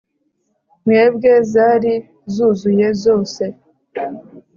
mwebwe zari zuzuye zose